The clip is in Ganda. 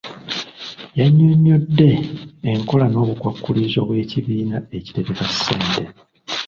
Yannyonnyodde enkola n'obukwakkulizo bw'ekibiina ekitereka ssente.